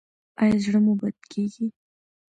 ایا زړه مو بد کیږي؟